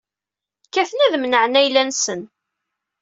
Kkaten ad d-menɛen ayla-nsen.